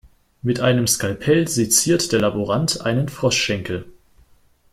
Mit einem Skalpell seziert der Laborant einen Froschschenkel.